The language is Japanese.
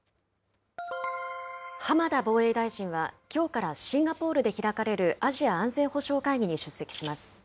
浜田防衛大臣は、きょうからシンガポールで開かれるアジア安全保障会議に出席します。